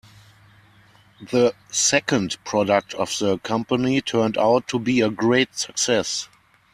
The second product of the company turned out to be a great success.